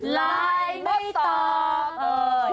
ไลน์ไม่ตอบ